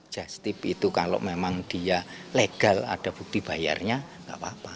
jastip itu kalau memang dia legal ada bukti bayarnya gak apa apa